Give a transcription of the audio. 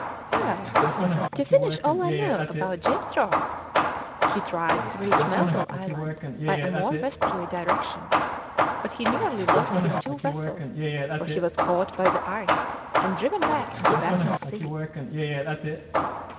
"Well, to finish all I know about James Ross: he tried to reach Melville Island by a more westerly direction, but he nearly lost his two vessels, for he was caught by the ice and driven back into Baffin's Sea."